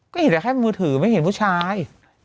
ก็เห็นแต่แค่มือถือไม่เห็นผู้ชาย